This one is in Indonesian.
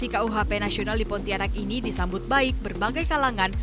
kuhp nasional di pontianak ini disambut baik berbagai kalangan